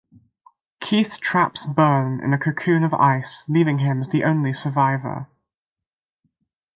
Keith traps Burn in a cocoon of ice, leaving him as the only survivor.